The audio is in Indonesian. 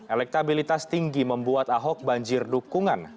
elektabilitas tinggi membuat ahok banjir dukungan